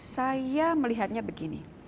saya melihatnya begini